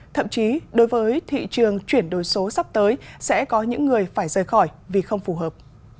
thậm chí đối với thị trường chuyển đổi số sắp tới sẽ có những người phải rời khỏi vì không phù hợp